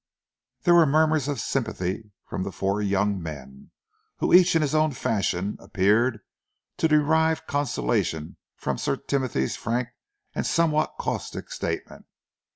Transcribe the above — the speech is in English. There were murmurs of sympathy from the four young men, who each in his own fashion appeared to derive consolation from Sir Timothy's frank and somewhat caustic statement.